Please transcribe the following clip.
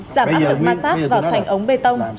giảm áp lực ma sát vào thành ống bê tông